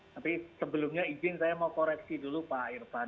tapi sebelumnya izin saya mau koreksi dulu pak irfan